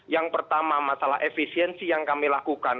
yang pertama masalah efisiensi yang kami lakukan